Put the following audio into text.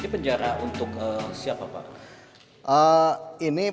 ini penjara untuk siapa pak ini penjara untuk siapa pak